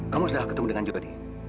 kamu sudah ketemu dengan jody